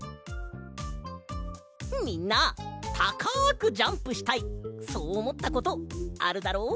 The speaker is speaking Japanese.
みんなたかくジャンプしたいそうおもったことあるだろ？